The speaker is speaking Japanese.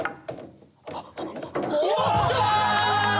やった！